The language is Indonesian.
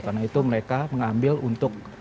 karena itu mereka mengambil untuk